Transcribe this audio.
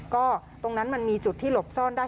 ก็ตรงนั้นมันมีจุดที่หลบซ่อนได้